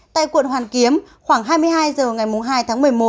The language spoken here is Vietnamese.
tại quận hoàn kiếm khoảng hai mươi hai h ngày hai tháng một mươi một